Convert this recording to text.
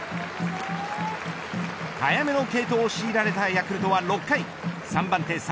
早めの継投を強いられたヤクルトは６回３番手